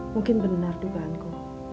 mungkin benar dugaanku